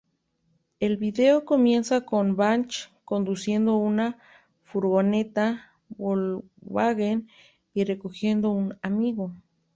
El vídeo comienza con Branch conduciendo una furgoneta Volkswagen y recogiendo un amigo.